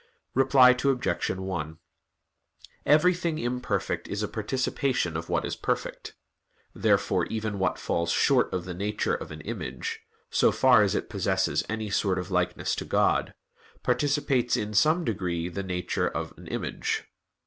Reply Obj. 1: Everything imperfect is a participation of what is perfect. Therefore even what falls short of the nature of an image, so far as it possesses any sort of likeness to God, participates in some degree the nature of an image.